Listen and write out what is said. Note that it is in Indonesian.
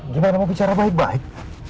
gimana mau bicara baik baik